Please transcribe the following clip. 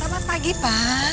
selamat pagi pak